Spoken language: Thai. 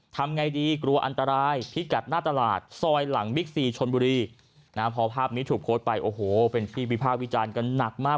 ทำไงดีกลัวอันตรายพิกัดหน้าตลาดซอยหลังบิ๊กซีชนบุรีนะพอภาพนี้ถูกโพสต์ไปโอ้โหเป็นที่วิพากษ์วิจารณ์กันหนักมาก